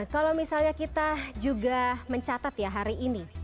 kalau misalnya kita juga mencatat ya hari ini